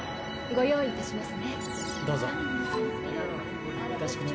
ご用意いたします。